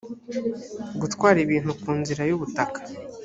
gutwara ibintu ku nzira y ubutaka